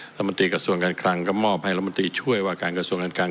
รัฐมนตรีกระทรวงการคลังก็มอบให้รัฐมนตรีช่วยว่าการกระทรวงการคลัง